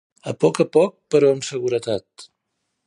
A poc a poc però amb seguretat.